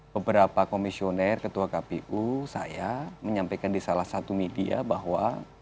beberapa komisioner ketua kpu saya menyampaikan di salah satu media bahwa